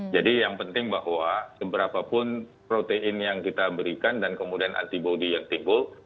jadi yang penting bahwa beberapa pun protein yang kita berikan dan kemudian antibody yang timbul